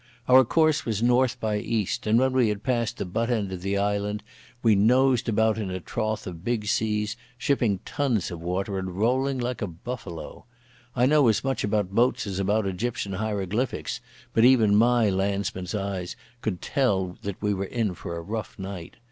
Our course was north by east, and when we had passed the butt end of the island we nosed about in the trough of big seas, shipping tons of water and rolling like a buffalo. I know as much about boats as about Egyptian hieroglyphics, but even my landsman's eyes could tell that we were in for a rough night.